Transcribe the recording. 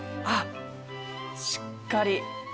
あっしっかり。